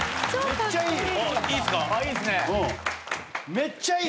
めっちゃいい！